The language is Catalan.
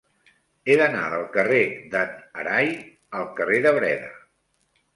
He d'anar del carrer de n'Arai al carrer de Breda.